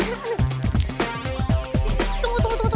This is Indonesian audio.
tunggu tunggu tunggu